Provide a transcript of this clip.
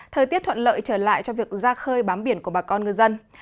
thời tiết thuận lợi trở lại cho việc ra khơi bám biển của bà con ngư dân